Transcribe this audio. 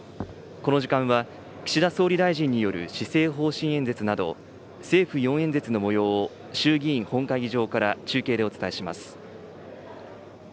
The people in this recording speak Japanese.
この時間は、岸田総理大臣による施政方針演説など、政府４演説のもようを、衆議院本会議場から中継でお伝えします。